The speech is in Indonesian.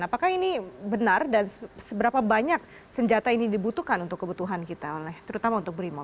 apakah ini benar dan seberapa banyak senjata ini dibutuhkan untuk kebutuhan kita oleh terutama untuk brimo